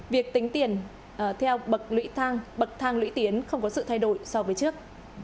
việc tính tiền theo bậc thang lũy tiến không có sự thay đổi so với trước